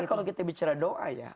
tapi kalau kita bicara doa ya